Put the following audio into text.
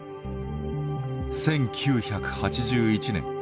１９８１年。